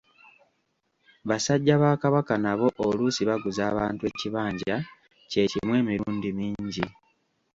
Basajja ba Kabaka nabo oluusi baguza abantu ekibanja kyekimu emirundi mingi.